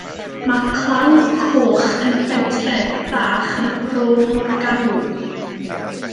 Mae Clawdd Coch yn bentref bach ym Mro Morgannwg.